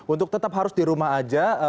untuk tetap harus di rumah aja